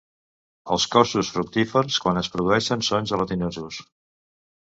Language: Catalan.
Els cossos fructífers, quan es produeixen, són gelatinosos.